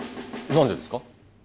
何でですか？